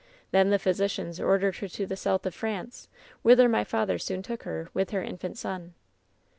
Then her physicians ordered her to the south of France, whither my father soon took her, with her infant son.